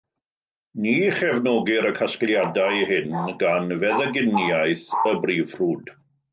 Ni chefnogir y casgliadau hyn gan feddyginiaeth y brif ffrwd.